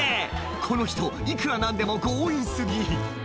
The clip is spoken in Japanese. この人いくら何でも強引過ぎ